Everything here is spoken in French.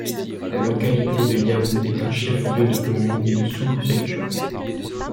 La localité de Yaou est un chef-lieu de commune et de sous-préfecture.